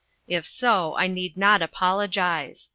If so, I need not apologise.